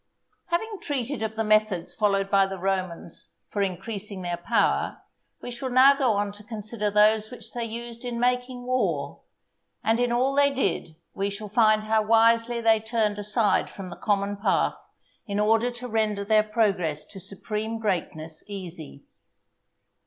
Having treated of the methods followed by the Romans for increasing their power, we shall now go on to consider those which they used in making war; and in all they did we shall find how wisely they turned aside from the common path in order to render their progress to supreme greatness easy.